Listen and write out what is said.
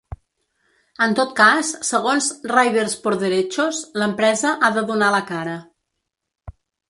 En tot cas, segons ‘RidersxDerechos’ l’empresa ‘ha de donar la cara’.